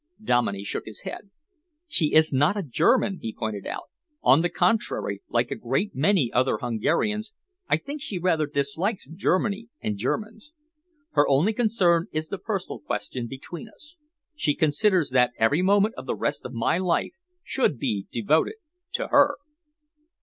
Dominey shook his head. "She is not a German," he pointed out. "On the contrary, like a great many other Hungarians, I think she rather dislikes Germany and Germans. Her only concern is the personal question between us. She considers that every moment of the rest of my life should be devoted to her."